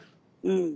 うん。